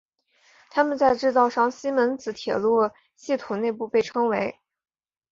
它们在制造商西门子铁路系统内部被称为。